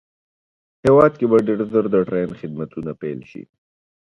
هېواد کې به ډېر زر د ټرېن خدمتونه پېل شي